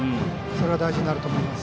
それが大事になると思います。